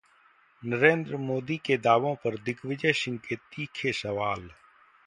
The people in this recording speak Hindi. नरेंद्र मोदी के दावों पर दिग्विजय सिंह के तीखे सवाल